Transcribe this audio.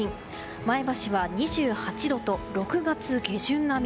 前橋は、２８度と６月下旬並み。